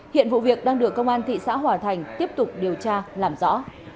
hiện vụ việc đang được công an thị xã hòa thành tiếp tục điều tra làm rõ